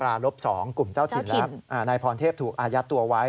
ราลบ๒กลุ่มเจ้าถิ่นแล้วนายพรเทพถูกอายัดตัวไว้